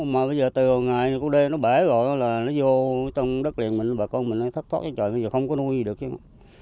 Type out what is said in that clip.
mà bây giờ từ ngày con đê nó bể rồi là nó vô trong đất liền mình bà con mình nó thất thoát ra trời bây giờ không có nuôi gì được chứ